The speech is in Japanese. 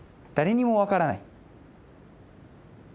誰にもわからない。